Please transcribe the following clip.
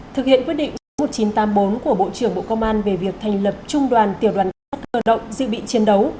thực hiện quyết định số một nghìn chín trăm tám mươi bốn của bộ trưởng bộ công an về việc thành lập trung đoàn tiểu đoàn cảnh sát cơ động dự bị chiến đấu